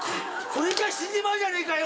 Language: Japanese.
これじゃ死んじまうじゃねえかよ。